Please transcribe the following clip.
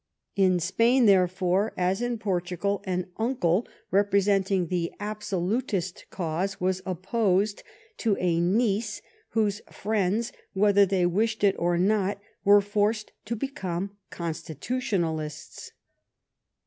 In Spain, therefore, as in Portugal, an uncle representing the Absolutist cause was opposed to a niece whose friends, whether they wished it or not, were forced to become Constitutional ists.